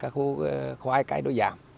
khô khoai cái đô giàm